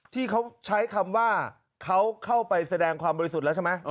ที่เขาใช้คำว่าเขาเข้าไปแสดงความบริสุทธิ์แล้วใช่ไหม